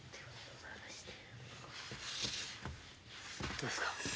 どうですか？